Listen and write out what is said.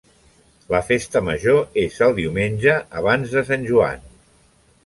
La festa major és el diumenge abans de Sant Joan.